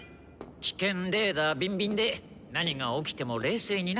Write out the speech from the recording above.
危険レーダーびんびんで何が起きても冷静にな。